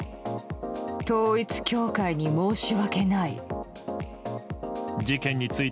統一教会に申し訳ない。